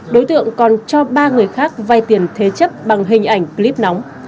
đối tượng còn cho ba người khác vay tiền thế chấp bằng hình ảnh clip nóng